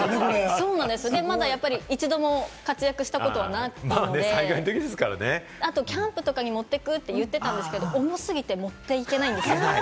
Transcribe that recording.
まだ一度も活躍したことがなくて、あとキャンプとかに持ってくって言ってたんですけれども、重すぎて持って行けないんですよ。